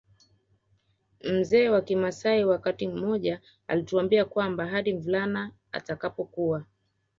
Mzee wa kimaasai wakati mmoja alituambia kwamba hadi mvulana atakapokuwa